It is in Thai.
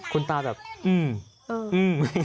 คุณตาแบบอืมอืม